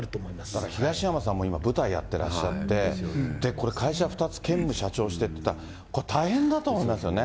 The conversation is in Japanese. だから、東山さんも今、舞台やってらっしゃって、これ会社２つ、兼務、社長してる、これ、大変だと思いますよね。